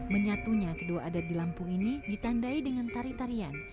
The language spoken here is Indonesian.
menyatunya kedua adat di lampung ini ditandai dengan tari tarian